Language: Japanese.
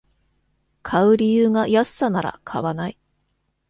買う理由が安さなら買わない